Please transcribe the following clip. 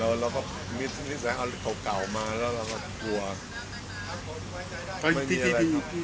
แล้วเราก็มีสัญลักษณ์เก่ามาแล้วเราก็กลัวไม่มีอะไรครับ